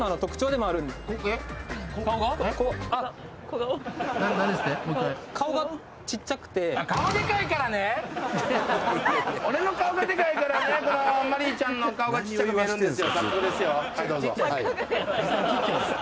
もう一回俺の顔がデカいからねこのマリーちゃんの顔がちっちゃく見えるんですよ